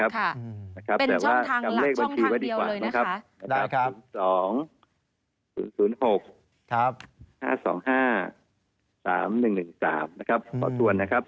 เป็นช่องทางหลักช่องทางเดียวเลยนะครับ